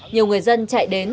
nhiều người dân chạy đến